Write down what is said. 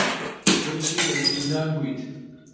بۆچی لە زیندان بوویت؟